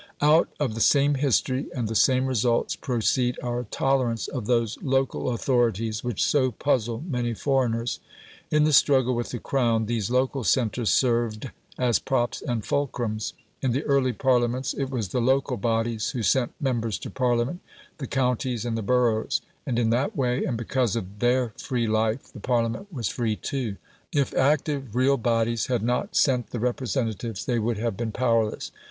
Out of the same history and the same results proceed our tolerance of those "local authorities" which so puzzle many foreigners. In the struggle with the Crown these local centres served as props and fulcrums. In the early Parliaments it was the local bodies who sent members to Parliament, the counties, and the boroughs; and in that way, and because of THEIR free life, the Parliament was free too. If active real bodies had not sent the representatives, they would have been powerless.